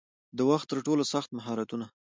د وخت ترټولو سخت مهارتونه